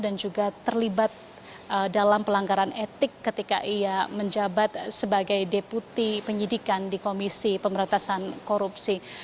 dan juga terlibat dalam pelanggaran etik ketika ia menjabat sebagai deputi penyidikan di komisi pemberantasan korupsi